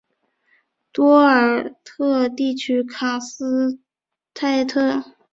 多尔特地区卡斯泰特。